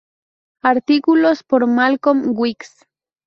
Artículos por Malcolm Wicks